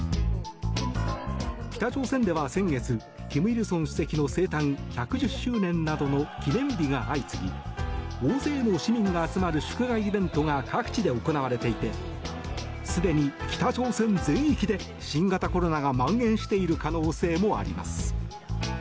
北朝鮮では先月、金日成主席の生誕１１０周年などの記念日が相次ぎ大勢の市民が集まる祝賀イベントが各地で行われていてすでに北朝鮮全域で新型コロナが蔓延している可能性もあります。